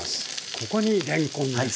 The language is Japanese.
ここにれんこんです。